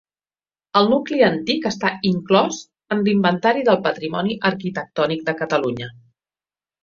El nucli antic està inclòs en l'Inventari del Patrimoni Arquitectònic de Catalunya.